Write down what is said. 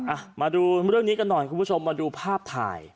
อ่ะมาดูเรื่องนี้กันหน่อยคุณผู้ชมมาดูภาพถ่าย